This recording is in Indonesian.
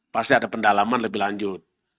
pasti ada pendalaman lebih lanjut